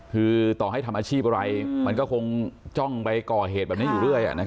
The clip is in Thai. คือต่อให้ทำอาชีพอะไรมันก็คงจ้องไปก่อเหตุแบบนี้อยู่เรื่อย